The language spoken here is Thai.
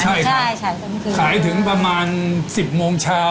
ใช่ค่ะขายถึงประมาณ๑๐โมงเช้า